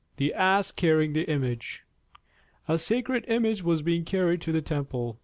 _ THE ASS CARRYING THE IMAGE A sacred Image was being carried to the temple.